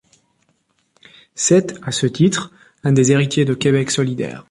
C'est, à ce titre, un des héritiers de Québec solidaire.